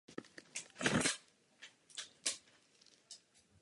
Výraz je inteligentní a živý.